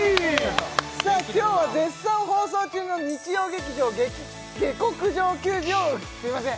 さあ今日は絶賛放送中の日曜劇場げき「下剋上球児」をすいません